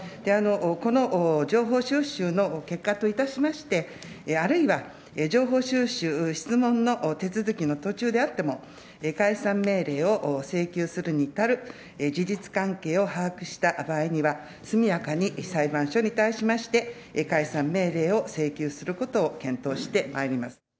この情報収集の結果といたしまして、あるいは情報収集、質問の手続きの途中であっても、解散命令を請求するに足る事実関係を把握した場合には、速やかに裁判所に対しまして、解散命令を請求することを検討してまいります。